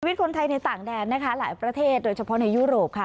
คนไทยในต่างแดนนะคะหลายประเทศโดยเฉพาะในยุโรปค่ะ